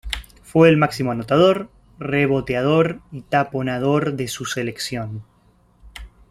Fue el máximo anotador, reboteador y taponador de su selección.